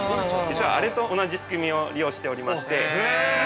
実は、あれと同じ仕組みを利用しておりまして。